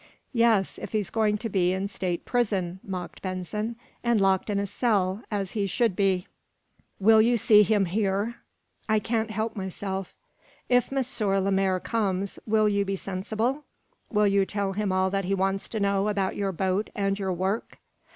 "Yes; if he's going to be in state prison," mocked Benson, "and locked in a cell, as he should be." "Will you see him here?" "I can't help myself." "If M. Lemaire comes, will you be sensible? Will you tell him all that he wants to know about your boat and your work?"